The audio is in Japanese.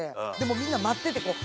みんな待ってて。